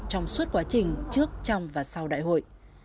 các quá trình trước trong và sau đại hội